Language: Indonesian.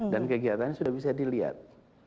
dan kegiatannya sudah bisa dilihat